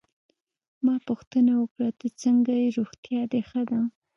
ما پوښتنه وکړه: ته څنګه ېې، روغتیا دي ښه ده؟